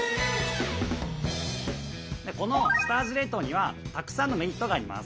この下味冷凍にはたくさんのメリットがあります。